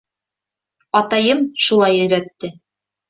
Атайым шулай өйрәтте.